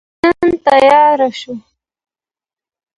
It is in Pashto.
نن تیاره شوه